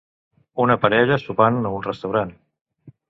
Una parella sopant a un restaurant.